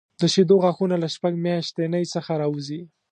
د شېدو غاښونه له شپږ میاشتنۍ څخه راوځي.